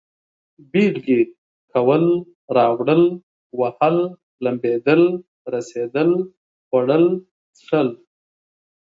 بېلگې: کول، راوړل، وهل، لمبېدل، رسېدل، خوړل، څښل